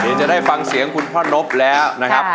นี่จะได้ฟังเสียงคุณพ่อนบแล้วนะครับ